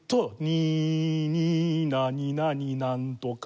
「にーにーなになになんとか」